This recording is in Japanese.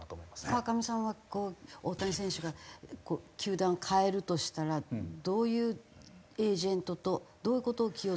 川上さんはこう大谷選手が球団を替えるとしたらどういうエージェントとどういう事を気を付ける。